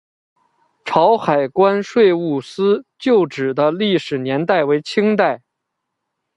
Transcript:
潮海关税务司旧址的历史年代为清代。